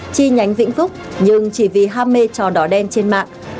chi nhánh vĩnh phúc nhưng chỉ vì ham mê trò đỏ đen trên mạng